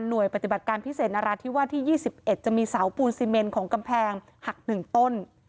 โดยปฏิบัติการพิเศษนราธิวาสที่๒๑จะมีเสาปูนซีเมนของกำแพงหัก๑ต้น